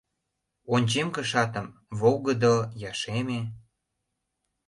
Ончем кышатым: волгыдо, я шеме.